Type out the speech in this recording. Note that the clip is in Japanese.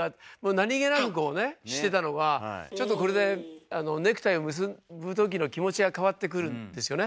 何気なくこうねしてたのがちょっとこれでネクタイを結ぶ時の気持ちが変わってくるんですよね。